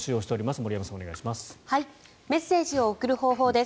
森山さん、お願いします。